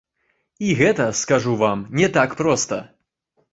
І гэта, скажу вам, не так проста.